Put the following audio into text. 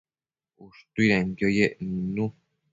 ushtuidenquio yec nidnu